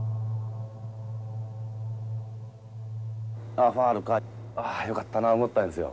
ああファウルかああよかったな思ったんですよ。